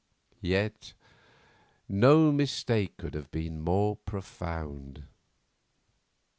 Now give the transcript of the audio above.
Yet no mistake could have been more profound.